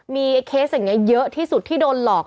มีเคสอย่างนี้เยอะที่สุดที่โดนหลอก